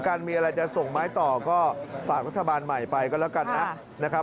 การมีอะไรจะส่งไม้ต่อก็ฝากรัฐบาลใหม่ไปก็แล้วกันนะครับ